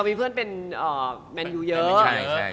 มีเพื่อนเป็นแมนยูเยอะ